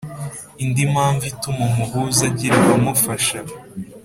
. Indi mpamvu ituma umuhuza agira abamufasha